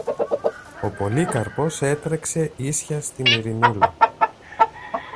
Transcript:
Ο Πολύκαρπος έτρεξε ίσια στην Ειρηνούλα.